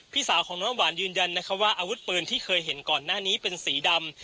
สาวของน้องน้ำหวานยืนยันนะคะว่าอาวุธปืนที่เคยเห็นก่อนหน้านี้เป็นสีดำ